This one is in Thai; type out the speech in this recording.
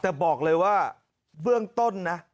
แต่บอกเลยว่าเบื้องต้นนะ